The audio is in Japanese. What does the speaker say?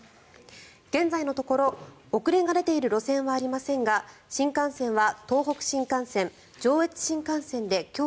現在のところ、遅れが出ている路線はありませんが新幹線は、東北新幹線上越新幹線で今日